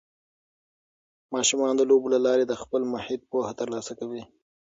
ماشومان د لوبو له لارې د خپل محیط پوهه ترلاسه کوي.